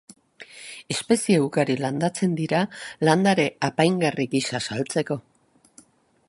Espezie ugari landatzen dira landare apaingarri gisa saltzeko.